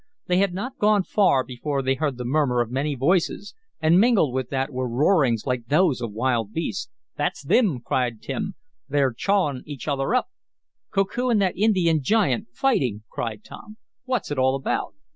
They had not gone far before they heard the murmur of many voices, and mingled with that were roarings like those of wild beasts. "That's thim!" cried Tim. "They're chawin' each other up!" "Koku and that Indian giant fighting!" cried Tom. "What's it all about?"